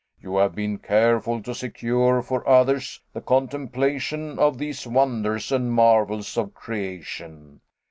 You have been careful to secure for others the contemplation of these wonders and marvels of creation.